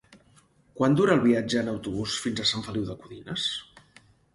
Quant dura el viatge en autobús fins a Sant Feliu de Codines?